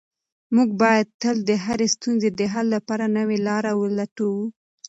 موږ باید تل د هرې ستونزې د حل لپاره نوې لاره ولټوو.